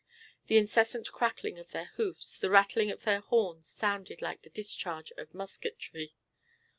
The incessant crackling of their hoofs, and rattling of their horns, sounded like the discharge of musketry.